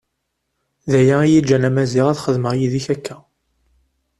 D aya iyi-iǧǧan a Maziɣ ad xedmeɣ yid-k akka.